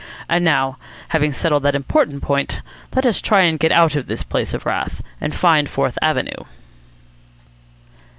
And now, having settled that important point, let us try and get out of this place of wrath, and find Fourth Avenue."